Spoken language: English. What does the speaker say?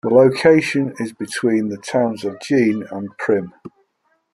The location is between the towns of Jean and Primm.